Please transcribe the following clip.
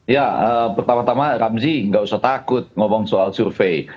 ya pertama tama ramzi nggak usah takut ngomong soal survei